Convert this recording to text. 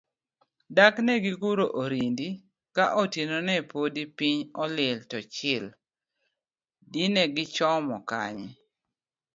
Dak ne giguro orindi, ka otieno ne podipiny olil to chil, dine gichomo kanye?